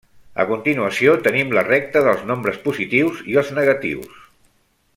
A continuació tenim la recta dels nombres positius i els negatius.